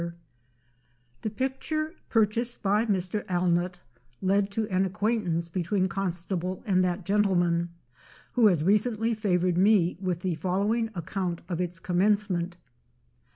” The picture purchased by Mr. Allnutt led to an acquaint ance between Constable and that gentleman, who has recently favoured me with the following account of its commencement.